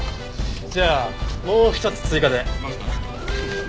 じゃあもう一つ追加で。